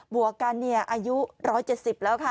บวกกันเนี่ยอายุ๑๗๐แล้วค่ะ